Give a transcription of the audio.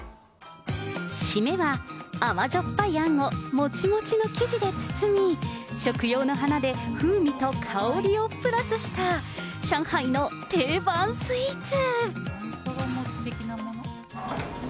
しめは甘じょっぱいあんをもちもちの生地で包み、食用の花で風味と香りをプラスした、上海の定番スイーツ。